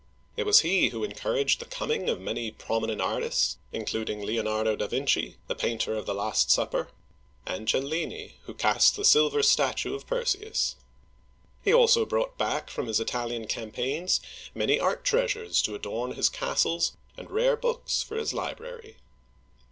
It was he who encouraged the coming of many promi nent artists (including Leonardo da Vinci, the painter of "The Last Supper," and Cellini, who cast the silver statue of Perseus). He also brought back from his Italian cam paigns many art treasures to adorn his castles land rare books for his library.